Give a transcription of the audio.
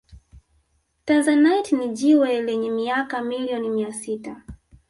Tanzanite ni jiwe lenye miaka milioni mia sita